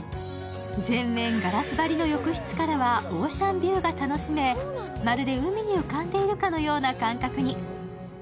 全面ガラス張りの浴室からはオーシャンビューが楽しめ、まるで海に浮かんでいるかのような感覚に。